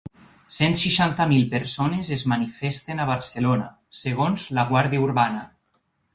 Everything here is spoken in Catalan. Cent seixanta mil persones es manifesten a Barcelona, segons la guàrdia urbana.